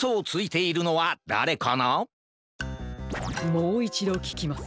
もういちどききます。